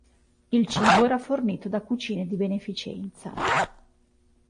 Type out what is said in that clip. Il cibo era fornito da cucine di beneficenza.